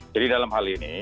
jadi dalam hal ini